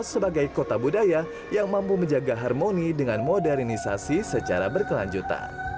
sebagai kota budaya yang mampu menjaga harmoni dengan modernisasi secara berkelanjutan